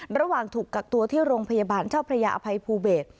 ระหว่างถูกกักตัวที่โรงพยาบาลเจ้าพระยาอภัยภูเบศ